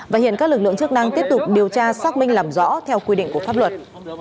và hiện các lực lượng chức năng tiếp tục điều tra xác minh làm rõ theo quy định của pháp luật